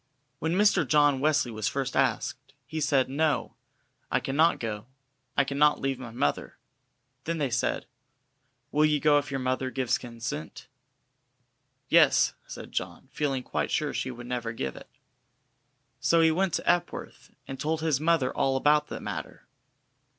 When Mr. John Wesley was first asked, he said: "No, I cannot go, I cannot leave my mother." Then they said: "Will you go if your mother gives her consent?" "Yes," said John, feeling quite sure she would never give it. So he went to Epworth and told his mother all about the matter.